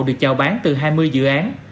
được chào bán từ hai mươi dự án